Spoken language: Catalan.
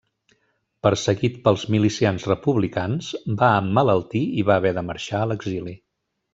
Perseguit pels milicians republicans, va emmalaltir i va haver de marxar a l'exili.